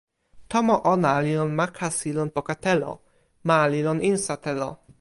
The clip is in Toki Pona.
tomo ona li lon ma kasi lon poka telo. ma li lon insa telo.